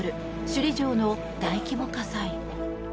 首里城の大規模火災。